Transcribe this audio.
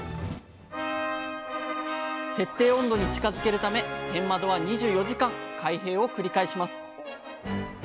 設定温度に近づけるため天窓は２４時間開閉を繰り返します。